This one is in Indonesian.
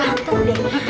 pak sergiti ganteng deh